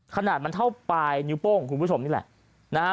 ขนาดมันเท่าปลายนิ้วโป้งของคุณผู้ชมนี่แหละนะฮะ